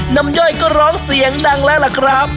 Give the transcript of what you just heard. ย่อยก็ร้องเสียงดังแล้วล่ะครับ